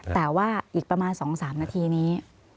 แต่ว่าอีกประมาณ๒๓นาทีนี้